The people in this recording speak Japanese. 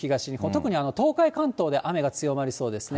特に東海、関東で雨が強まりそうですね。